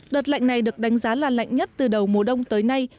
đợt lạnh này được đánh giá là lạnh nhất từ đầu mùa đông tới nay